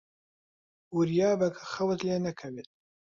وریابە کە خەوت لێ نەکەوێت.